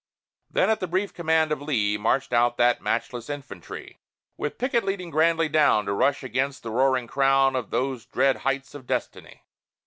Then, at the brief command of Lee, Moved out that matchless infantry, With Pickett leading grandly down, To rush against the roaring crown Of those dread heights of destiny.